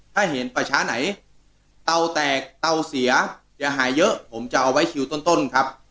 ถ้าเห็นประชาไหนเตาแตกเตาเสียอย่าหาเยอะผมจะเอาไว้คิวต้นครับ